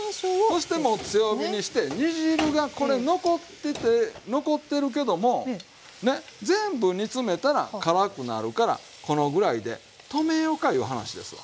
そしてもう強火にして煮汁がこれ残ってて残ってるけどもね全部煮詰めたら辛くなるからこのぐらいで止めようかいう話ですわ。